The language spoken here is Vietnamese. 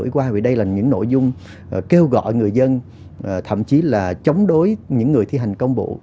qua vì đây là những nội dung kêu gọi người dân thậm chí là chống đối những người thi hành công bộ